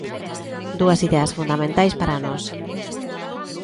Dúas ideas fundamentais para nós.